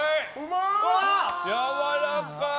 やわらかい。